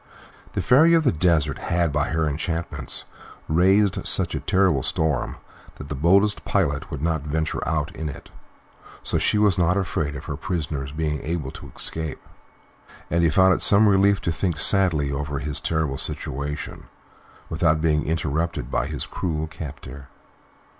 The Fairy of the Desert had by her enchantments raised such a terrible storm that the boldest pilot would not venture out in it, so she was not afraid of her prisoner's being able to escape; and he found it some relief to think sadly over his terrible situation without being interrupted by his cruel captor.